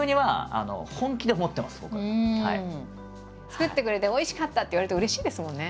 「作ってくれておいしかった」って言われるとうれしいですもんね。